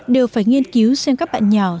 đều phải nghiên cứu xem các bạn nhỏ